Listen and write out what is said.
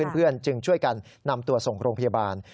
เพื่อนจึงช่วยกันนำตัวส่งโรงพยาบาล